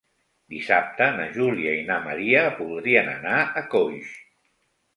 Dissabte na Júlia i na Maria voldrien anar a Coix.